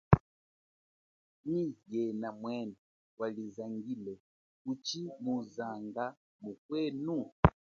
Nyi yena mwene walizangile, kuchi muzanga mukwenu?